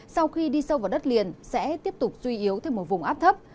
sau khi đi sâu vào đất liền sẽ tiếp tục suy yếu thêm một vùng áp thấp